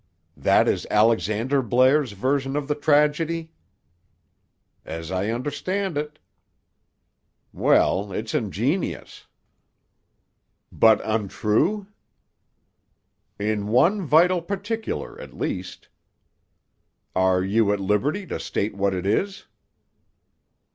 "That is Alexander Blair's version of the tragedy?" "As I understand it." "Well, it's ingenious." "But untrue?" "In one vital particular, at least." "Are you at liberty to state what it is?"